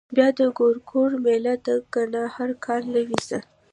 بيا د ګورګورو مېله ده کنه هر کال نه وي څه.